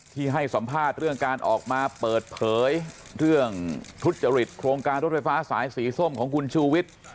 ให้สัมภาษณ์เรื่องการออกมาเปิดเผยเรื่องทุจริตโครงการรถไฟฟ้าสายสีส้มของคุณชูวิทย์